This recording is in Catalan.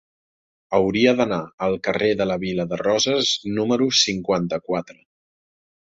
Hauria d'anar al carrer de la Vila de Roses número cinquanta-quatre.